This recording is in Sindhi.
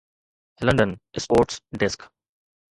London sports desk